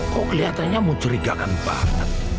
kok keliatannya mu curigakan banget